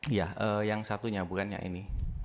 iya yang satunya bukannya ini